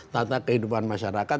tata kehidupan masyarakat